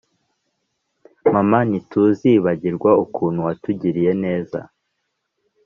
mama ntituzibagirwa ukuntu watugiriye neza